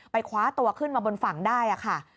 คว้าตัวขึ้นมาบนฝั่งได้ค่ะ